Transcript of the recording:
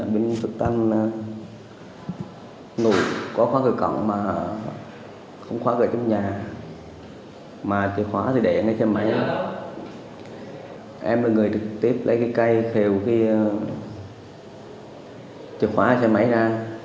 mà chìa khóa thì để cái xe máy em là người trực tiếp lấy cái cây khi chìa khóa xe máy ra